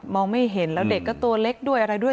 ไม่เห็นแล้วเด็กก็ตัวเล็กด้วยอะไรด้วย